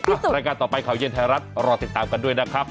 รายการต่อไปข่าวเย็นไทยรัฐรอติดตามกันด้วยนะครับ